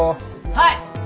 はい！